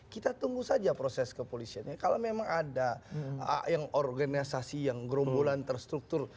kita tunggu saja proses kepolisiannya kalau memang ada yang organisasi yang gerombolan terstruktur